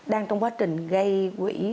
đang trong quá trình gây quỹ